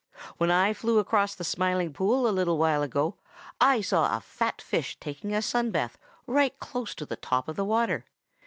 When I flew across the Smiling Pool a little while ago, I saw a fat fish taking a sun bath right close to the top of the water.